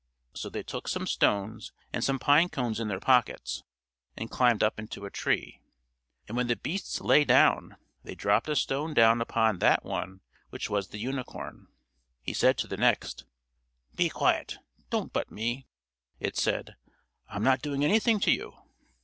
So they took some stones and some pine cones in their pockets, and climbed up into a tree; and when the beasts lay down, they dropped a stone down upon that one which was the unicorn. He said to the next: "Be quiet; don't butt me." It said: "I'm not doing anything to you."